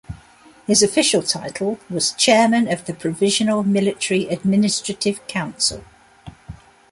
His official title was Chairman of the Provisional Military Administrative Council.